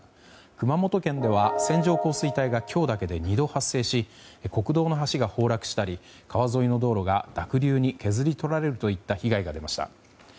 熊本県では線状降水帯が今日だけで２度発生し国道の橋が崩落したり川沿いの道路が濁流に削り取られるといった被害が出ました。